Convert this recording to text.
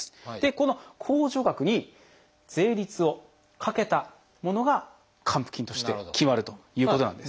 この控除額に税率をかけたものが還付金として決まるということなんです。